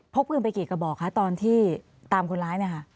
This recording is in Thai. พกพึงไปกี่กระบอกครับตอนที่ตามคนร้ายนี่คะ